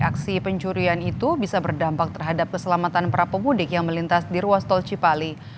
aksi pencurian itu bisa berdampak terhadap keselamatan para pemudik yang melintas di ruas tol cipali